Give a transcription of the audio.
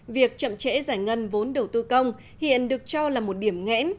việc chậm trễ giải ngân vốn đầu tư công hiện được cho là một điểm nghẽn